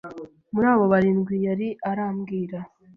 Muri abo barindwi yari arambwira